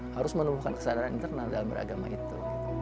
harus menemukan kesadaran internal dalam beragama itu